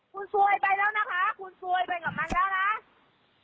คุณซวยไปแล้วนะคะคุณซวยไปกับมันแล้วนะ